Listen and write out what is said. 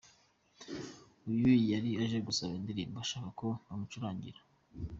Uyu yari aje gusaba indirimbo ashaka ko bamucurangira.